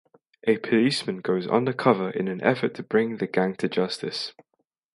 A policeman goes undercover in an effort to bring the gang to justice.